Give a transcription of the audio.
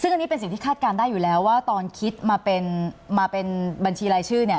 ซึ่งอันนี้เป็นสิ่งที่คาดการณ์ได้อยู่แล้วว่าตอนคิดมาเป็นมาเป็นบัญชีรายชื่อเนี่ย